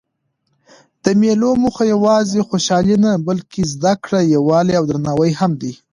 د مېلو موخه یوازي خوشحالي نه؛ بلکې زدکړه، یووالی او درناوی هم دئ.